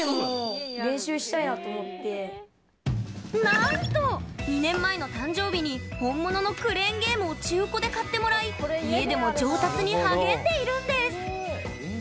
なんと、２年前の誕生日に本物のクレーンゲームを中古で買ってもらい家でも上達に励んでいるんです。